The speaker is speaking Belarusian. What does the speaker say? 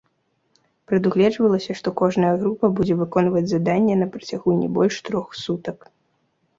Прадугледжвалася, што кожная група будзе выконваць заданне на працягу не больш трох сутак.